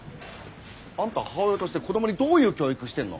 あんた母親として子どもにどういう教育してんの？